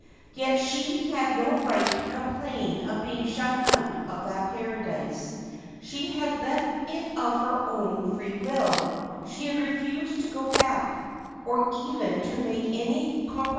Yet she had no right to complain of being shut out of that paradise : she had left it of her own free will ; she had refused to go back, or even to make any c^mpr